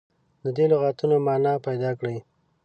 د دې لغتونو معنا پیداکړي.